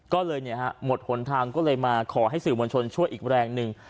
ก็เลยหมดหนทางก็เลยมาขอให้สื่อมวลชนช่วยอีกแรงหนึ่ง